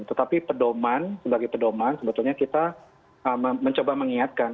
tetapi pedoman sebagai pedoman sebetulnya kita mencoba mengingatkan